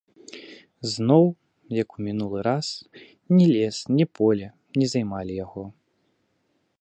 Зноў, як ў мінулы раз, ні лес, ні поле не займалі яго.